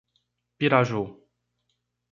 Piraju